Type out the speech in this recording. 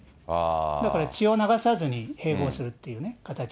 だから血を流さずに併合するっていうね、形。